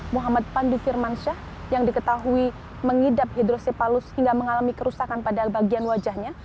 muhammad pandi firmansyah yang diketahui mengidap hidrosipalus hingga mengalami kerusakan pada bagian wajahnya